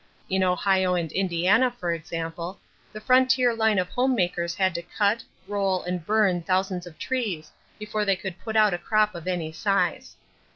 In Ohio and Indiana, for example, the frontier line of homemakers had to cut, roll, and burn thousands of trees before they could put out a crop of any size.